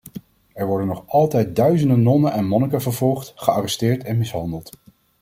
Er worden nog altijd duizenden nonnen en monniken vervolgd, gearresteerd en mishandeld.